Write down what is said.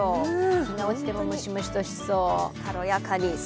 日が落ちてもムシムシとしそう。